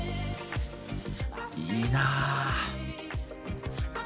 いいなぁ。